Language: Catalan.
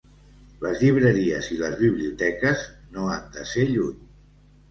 Les llibreries i les biblioteques no han de ser lluny.